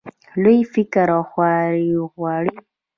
لوی فکر او خواري غواړي.